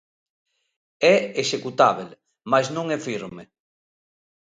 É executábel, mais non é firme.